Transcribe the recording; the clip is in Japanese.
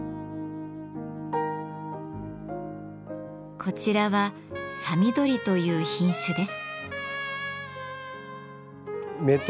こちらは「さみどり」という品種です。